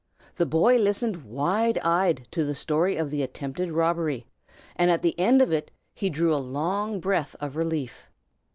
The boy listened wide eyed to the story of the attempted robbery, and at the end of it he drew a long breath of relief.